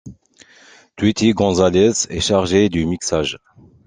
Tweety González est chargé du mixage.